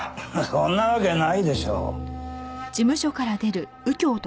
そんなわけないでしょう。